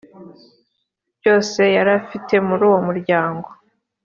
byose yari afite muri uwo muryango